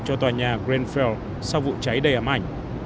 cho tòa nhà greenfell sau vụ cháy đầy ấm ảnh